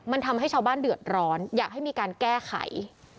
มันทำให้ชาวบ้านเดือดร้อนอยากให้มีการแก้ไข